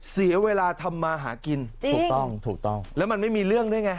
เสียเวลาทำมาหากินถูกต้องถูกต้องแล้วมันไม่มีเรื่องด้วยไง